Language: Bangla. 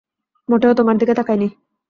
মোটেও তোমার দিকে তাকাইনি।